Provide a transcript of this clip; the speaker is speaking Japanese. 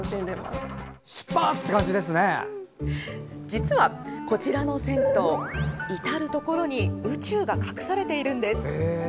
実はこちらの銭湯至る所に宇宙が隠されているんです。